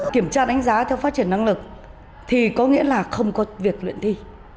kiểm tra đánh giá theo phát triển năng lực thì có nghĩa là không có việc luyện thi